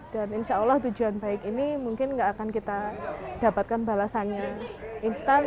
dan insya allah tujuan baik ini mungkin nggak akan kita dapatkan balasannya instan